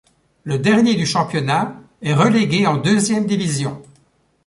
Le dernier du championnat est relégué en deuxième division.